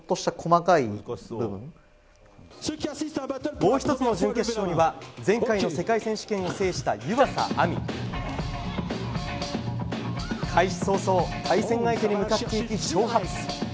もう１つの準決勝には前回の世界選手権を制した湯浅亜美。開始早々対戦相手に向かっていき挑発。